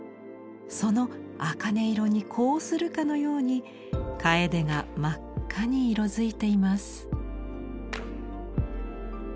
そのあかね色に呼応するかのようにかえでが真っ赤に色づいています。